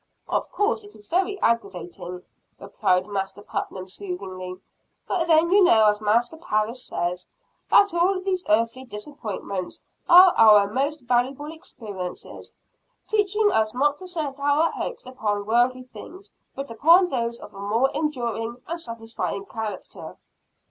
"Of course it is very aggravating," replied Master Putnam soothingly, "but then you know as Master Parris says, that all these earthly disappointments are our most valuable experiences teaching us not to set our hopes upon worldly things, but upon those of a more enduring and satisfying character."